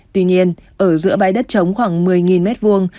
tuy nhiên ở giữa bãi đất trống khoảng một mươi mét vuông